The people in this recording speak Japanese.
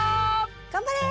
頑張れ！